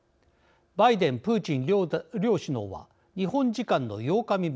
バイデン、プーチン両首脳は日本時間の８日未明